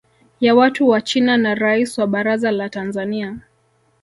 ya watu wa China na Rais wa baraza la Tanzania